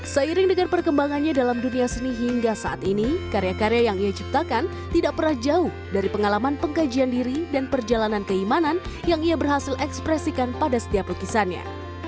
seiring dengan perkembangannya dalam dunia seni hingga saat ini karya karya yang ia ciptakan tidak pernah jauh dari pengalaman pengkajian diri dan perjalanan keimanan yang ia berhasil ekspresikan pada setiap lukisannya